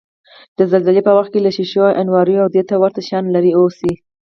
د زلزلې په وخت کې له شیشو، انواریو، او دېته ورته شیانو لرې اوسئ.